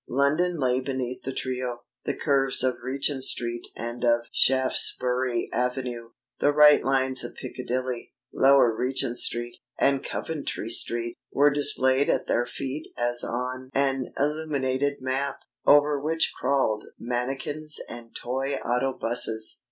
London lay beneath the trio. The curves of Regent Street and of Shaftesbury Avenue, the right lines of Piccadilly, Lower Regent Street, and Coventry Street, were displayed at their feet as on an illuminated map, over which crawled mannikins and toy autobuses.